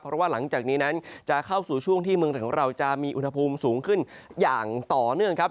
เพราะว่าหลังจากนี้นั้นจะเข้าสู่ช่วงที่เมืองไทยของเราจะมีอุณหภูมิสูงขึ้นอย่างต่อเนื่องครับ